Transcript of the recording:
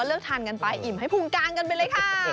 เลือกทานกันไปอิ่มให้พุงกลางกันไปเลยค่ะ